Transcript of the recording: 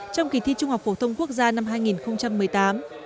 trong kỳ thi trung học phổ thông quốc gia năm hai nghìn một mươi tám